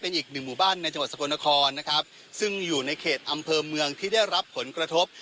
อีกหนึ่งหมู่บ้านในจังหวัดสกลนครนะครับซึ่งอยู่ในเขตอำเภอเมืองที่ได้รับผลกระทบ